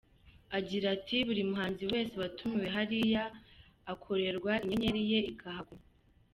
Agira ati “Buri muhanzi wese watumiwe hariya, akorerwa inyenyeri ye ikahaguma.